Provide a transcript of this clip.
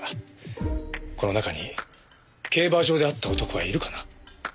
この中に競馬場で会った男はいるかな？